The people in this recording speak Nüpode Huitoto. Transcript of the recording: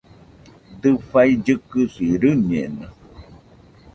Dafai kɨkɨsi rɨñeno